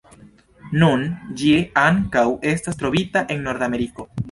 Nun ĝi ankaŭ estas trovita en Nordameriko.